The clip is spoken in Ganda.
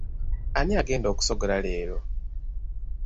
Ani agenda okusogola leero?